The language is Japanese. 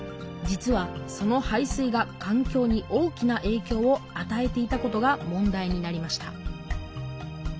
実はその排水が環境に大きなえいきょうをあたえていたことが問題になりました